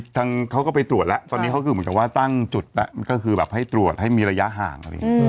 ทั้งเขาก็ไปตรวจแล้วตอนนี้เขาคือตั้งจุดก็คือแบบให้ตรวจให้มีระยะห่าง